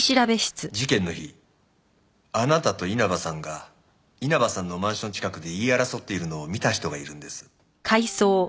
事件の日あなたと稲葉さんが稲葉さんのマンション近くで言い争っているのを見た人がいるんです。